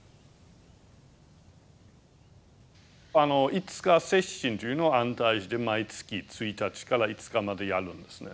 五日接心というのを安泰寺で毎月１日から５日までやるんですね。